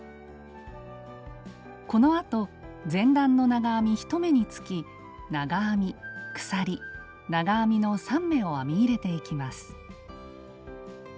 このあと前段の長編み１目につき長編み鎖長編みの３目を編み入れていきます。